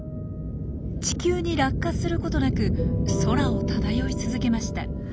地球に落下することなく空を漂い続けました。